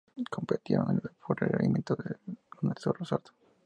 Compitieron por el alimento con el zorro sardo.